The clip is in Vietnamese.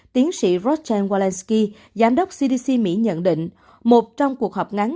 tiến sĩ roger walensky giám đốc cdc mỹ nhận định một trong cuộc họp ngắn